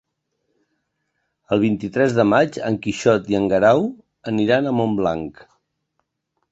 El vint-i-tres de maig en Quixot i en Guerau aniran a Montblanc.